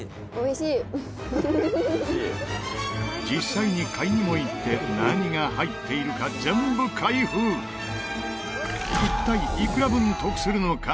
実際に買いにも行って何が入っているか、全部開封一体、いくら分、得するのか？